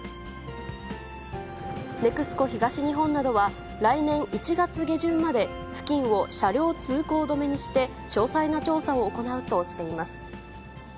ＮＥＸＣＯ東日本などは、来年１月下旬まで、付近を車両通行止めにして、詳細な調査を行うとしています。